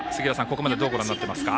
ここまでどうご覧になっていますか。